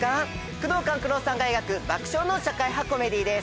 宮藤官九郎さんが描く爆笑の社会派コメディーです。